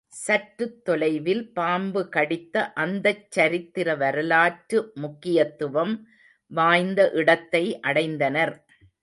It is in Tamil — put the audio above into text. சற்றுத் தொலைவில் பாம்புகடித்த அந்தச் சரித்திர வரலாற்று முக்கியத்துவம் வாய்ந்த இடத்தை அடைந்தனர்.